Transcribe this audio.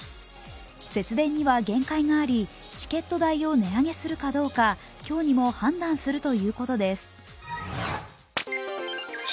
節電には限界がありチケット代を値上げするかどうか今日にも判断するということです。